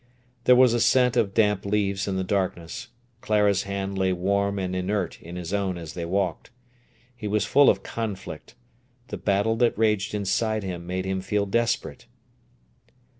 There was a scent of damp leaves in the darkness. Clara's hand lay warm and inert in his own as they walked. He was full of conflict. The battle that raged inside him made him feel desperate.